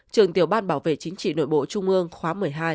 trường tiểu ban bảo vệ chính trị nội bộ trung ương khóa một mươi hai một mươi ba